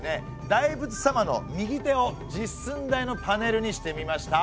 大仏様の右手を実寸大のパネルにしてみました。